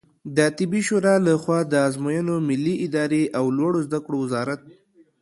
د طبي شورا له خوا د آزموینو ملي ادارې او لوړو زده کړو وزارت